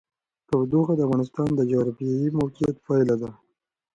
تودوخه د افغانستان د جغرافیایي موقیعت پایله ده.